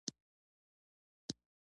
هغه د افغانانو د اوسېدلو سیمه یې مطلب ده.